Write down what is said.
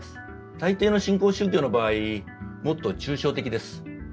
大抵の新興宗教の場合もっと抽象的です。